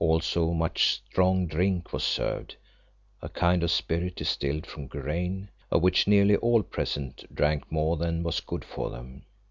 Also much strong drink was served, a kind of spirit distilled from grain, of which nearly all present drank more than was good for them.